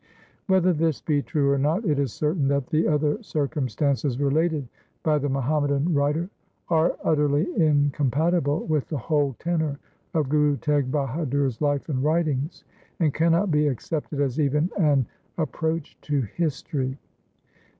Whether this be true or not, it is certain that the other circumstances related by the Muhammadan writer are utterly incompatible with the whole tenor of Guru Teg Bahadur's life and writings, and cannot be accepted as even an approach to history.